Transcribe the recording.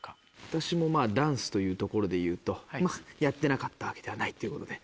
私もダンスというところでいうとまぁやってなかったわけではないということで。